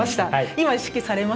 今意識されました？